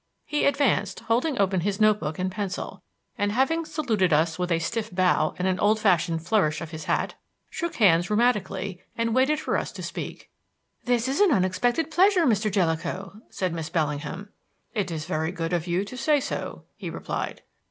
He advanced, holding open his notebook and pencil, and having saluted us with a stiff bow and an old fashioned flourish of his hat, shook hands rheumatically and waited for us to speak. "This is an unexpected pleasure, Mr. Jellicoe," said Miss Bellingham. "It is very good of you to say so," he replied.